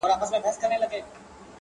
له زلمو شونډو موسكا ده كوچېدلې!